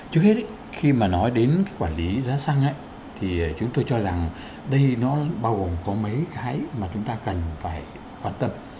trước hết khi mà nói đến cái quản lý giá xăng thì chúng tôi cho rằng đây nó bao gồm có mấy cái mà chúng ta cần phải quan tâm